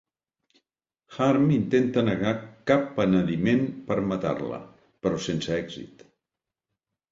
Harm intenta negar cap penediment per matar-la, però sense èxit.